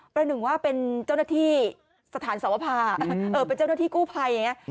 ประหนึ่งว่าเป็นเจ้าหน้าที่สถานสวภาเป็นเจ้าหน้าที่กู้ภัยอย่างนี้